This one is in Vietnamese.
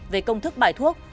về công thức bài thuốc